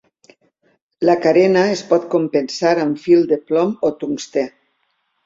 La carena es pot compensar amb fil de plom o tungstè.